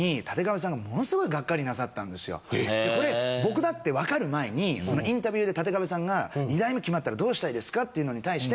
これ僕だってわかる前にインタビューでたてかべさんが「２代目決まったらどうしたいですか？」っていうのに対して。